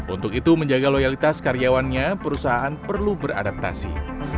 untuk itu menjaga loyalitas karyawannya perusahaan perlu beradaptasi